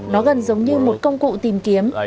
nó gần giống như một công cụ tìm kiếm